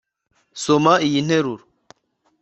soma iyi nteruro